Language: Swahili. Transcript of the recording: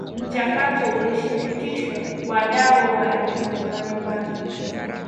Mchakato ulishirikisha wadau wa aina mbalimbali